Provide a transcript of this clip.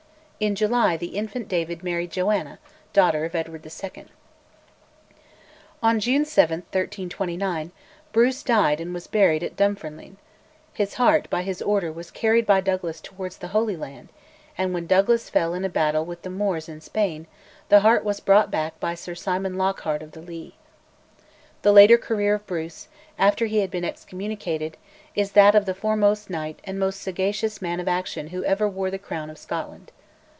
In July the infant David married Joanna, daughter of Edward II. On June 7, 1329, Bruce died and was buried at Dunfermline; his heart, by his order, was carried by Douglas towards the Holy Land, and when Douglas fell in a battle with the Moors in Spain, the heart was brought back by Sir Simon Lockhart of the Lee. The later career of Bruce, after he had been excommunicated, is that of the foremost knight and most sagacious man of action who ever wore the crown of Scotland.